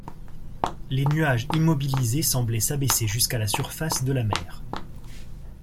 Les nuages immobilisés semblaient s’abaisser jusqu’à la surface de la mer.